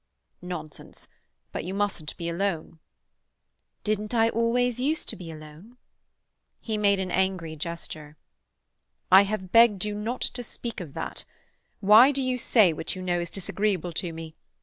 "Nonsense. But you mustn't be alone." "Didn't I always use to be alone?" He made an angry gesture. "I have begged you not to speak of that. Why do you say what you know is disagreeable to me?